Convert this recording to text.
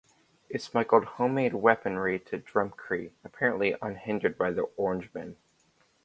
It smuggled homemade weaponry to Drumcree, apparently unhindered by the Orangemen.